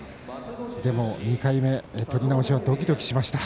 でも２回目取り直しはどきどきしました。